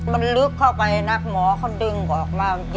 มันลึกเข้าไปนักหมอเขาดึงออกมา